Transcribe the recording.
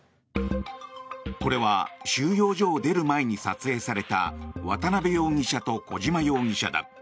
これは収容所を出る前に撮影された渡邉容疑者と小島容疑者だ。